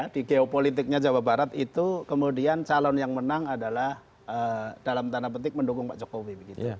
di geopolitiknya jawa barat itu kemudian calon yang menang adalah dalam tanda petik mendukung pak jokowi